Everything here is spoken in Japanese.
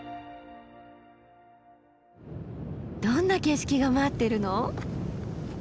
どんな景色が待ってるの？